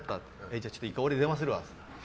じゃあちょっと１回、俺電話するわって。